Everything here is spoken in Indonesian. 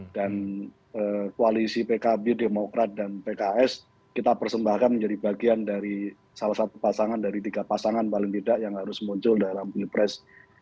dan koalisi pkb demokrat dan pks kita persembahkan menjadi bagian dari salah satu pasangan dari tiga pasangan paling tidak yang harus muncul dalam pilih pres dua ribu dua puluh empat